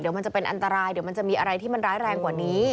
เดี๋ยวมันจะเป็นอันตรายเดี๋ยวมันจะมีอะไรที่มันร้ายแรงกว่านี้